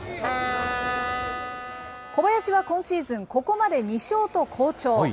小林は今シーズン、ここまで２勝と好調。